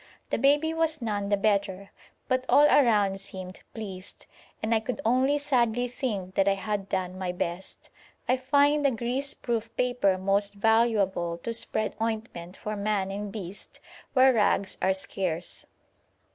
The baby was none the better, but all around seemed pleased, and I could only sadly think that I had done my best. I find the grease proof paper most valuable to spread ointment for man and beast where rags are scarce.